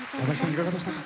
いかがでしたか？